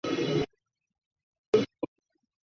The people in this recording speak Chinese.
李仁颜就是西夏太祖李继迁的曾祖父。